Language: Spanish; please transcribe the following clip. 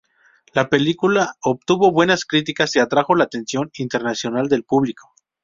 La película obtuvo buenas críticas y atrajo la atención internacional del público.